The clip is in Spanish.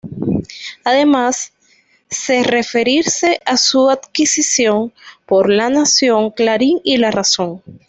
Además, se referirse a su adquisición por "La Nación", "Clarín" y "La Razón".